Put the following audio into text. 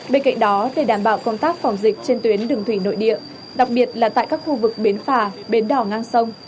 bên cạnh đó để đảm bảo công tác phòng dịch trên tuyến đường thủy nội địa đặc biệt là tại các khu vực bến phà bến đỏ ngang sông